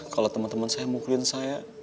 kalau teman teman saya mukulin saya